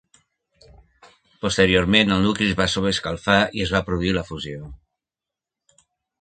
Posteriorment, el nucli es va sobreescalfar i es va produir la fusió.